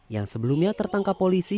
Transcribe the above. yang sebelumnya tertangkap polisi